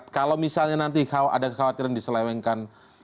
kalau misalnya nanti ada kekhawatiran diselewengkan